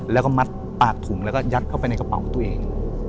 แล้วก็มัดปากถุงแล้วก็ยัดเข้าไปในกระเป๋าตัวเอง